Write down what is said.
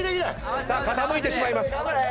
傾いてしまいます。